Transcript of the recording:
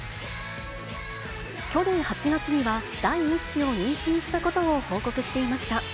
去年８月には、第１子を妊娠したことを報告していました。